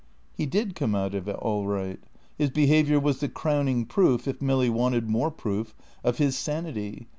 He did come out of it all right. His behaviour was the crowning proof, if Milly wanted more proof, of his sanity.